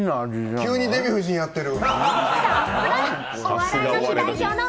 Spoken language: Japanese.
急にデヴィ夫人やってる。